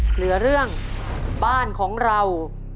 เหลือเรื่องบ้านของเรา